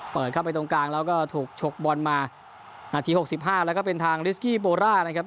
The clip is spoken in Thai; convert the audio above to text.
เปิดเข้าไปตรงกลางแล้วก็ถูกฉกบอลมานาทีหกสิบห้าแล้วก็เป็นทางลิสกี้โบร่านะครับ